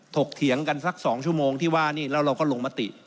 ถกเถียงสัก๒ชั่วโมงที่ว่านี่เราก็ลงมติ